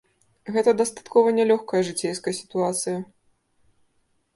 Гэта дастаткова нялёгкая жыцейская сітуацыя.